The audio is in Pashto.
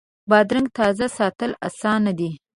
بادرنګ تازه ساتل اسانه دي.